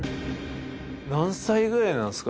何歳ぐらいなんすか？